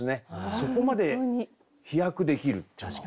そこまで飛躍できるっていうのは。